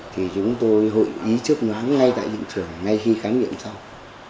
thì chúng tôi hội ý trước ngã ngay tại hiện trường ngay khi khám nghiệm xong